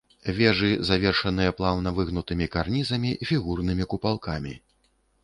Вежы завершаныя плаўна выгнутымі карнізамі, фігурнымі купалкамі.